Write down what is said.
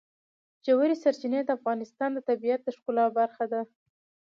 ژورې سرچینې د افغانستان د طبیعت د ښکلا برخه ده.